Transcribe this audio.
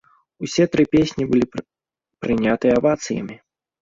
Усе тры песні былі прынятыя авацыямі.